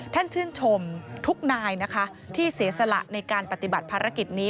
ท่านชื่นชมทุกนายนะคะที่เสียสละในการปฏิบัติภารกิจนี้